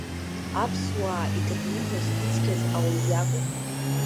Аԥсуаа идырныҳәоз, ицқьаз ауаҩ иакәын.